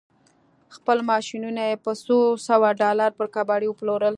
خپل ماشينونه يې په څو سوه ډالر پر کباړي وپلورل.